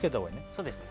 そうですね